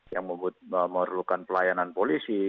yang memerlukan pelayanan polisi